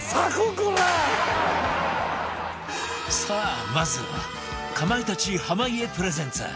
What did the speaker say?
さあまずはかまいたち濱家プレゼンツ